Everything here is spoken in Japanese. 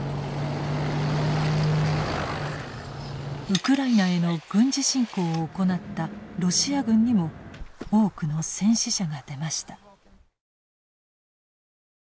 ウクライナへの軍事侵攻を行ったロシア軍にも多くの戦死者が出ました。